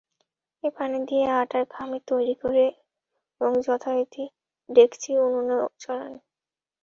এ পানি দিয়ে আটার খামীর তৈরি করে এবং যথারীতি ডেকচি উনুনে চড়ান।